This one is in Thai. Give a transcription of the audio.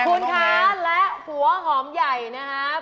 คุณคะและหัวหอมใหญ่นะครับ